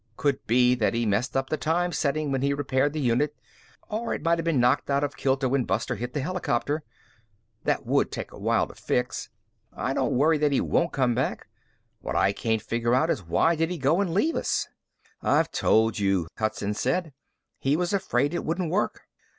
Could be that he messed up the time setting when he repaired the unit or it might have been knocked out of kilter when Buster hit the helicopter. That would take a while to fix. I don't worry that he won't come back. What I can't figure out is why did he go and leave us?" "I've told you," Hudson said. "He was afraid it wouldn't work."